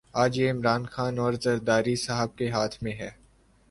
آج یہ عمران خان اور زرداری صاحب کے ہاتھ میں ہے۔